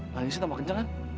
nangisnya tambah kenceng kan